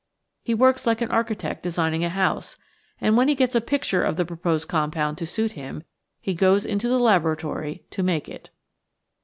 He works like an architect designing a house, and when he gets a picture of the proposed compound to suit him he goes into the laboratory to make it.